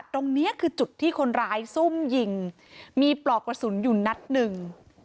ตรงนี้คือจุดที่คนร้ายซุ่มยิงมีปลอกกระสุนอยู่นัดหนึ่ง